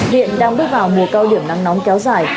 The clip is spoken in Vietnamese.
hiện đang bước vào mùa cao điểm nắng nóng kéo dài